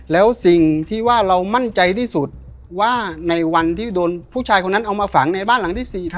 แล้วสิ่งที่ว่าเรามั่นใจที่สุดว่าในวันที่โดนผู้ชายคนนั้นเอามาฝังในบ้านหลังที่๔